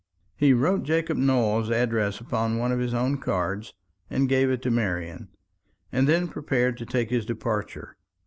He wrote Jacob Nowell's address upon one of his own cards, and gave it to Marian; and then prepared to take his departure.